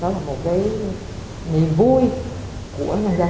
đó là một cái niềm vui của nhân gian thành phố đà nẵng